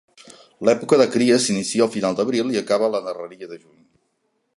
L'època de cria s'inicia al final d'abril i acaba a la darreria de juny.